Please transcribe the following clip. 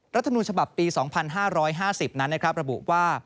รัฐมนูญฉบับปี๒๕๕๐นั้นนะครับระบุว่า